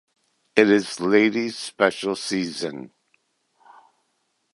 It is ladies special season.